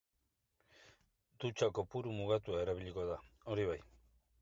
Dutxa kopuru mugatua erabiliko da, hori bai.